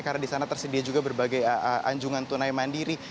karena di sana tersedia juga berbagai anjungan tunai mandiri